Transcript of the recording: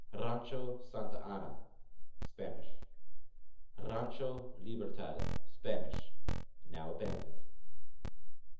Rancho Santa Ana : Spanish. Rancho Libertad: Spanish (now abandoned).